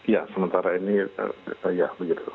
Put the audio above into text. ya sementara ini ya begitu